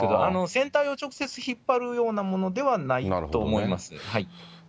船体を直接引っ張るようなものではないと思いますね。